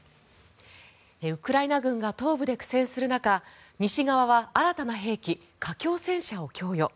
ウクライナ軍が東部で苦戦する中西側は、新たな兵器架橋戦車を供与。